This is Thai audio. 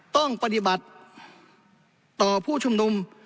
ต้องปฏิบัติต่อผู้ชุมนุม